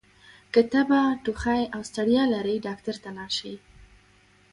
که تبه، ټوخۍ او ستړیا لرئ ډاکټر ته لاړ شئ!